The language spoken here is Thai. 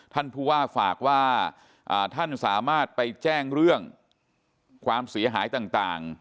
ท่านผู้ว่าฝากว่าท่านสามารถไปแจ้งเรื่องความเสียหายต่าง